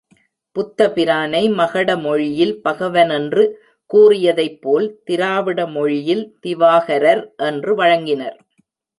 புத்தபிரானை மகட மொழியில் பகவனென்று கூறியதைப்போல் திராவிட மொழியில் திவாகரர் என்று வழங்கினர்.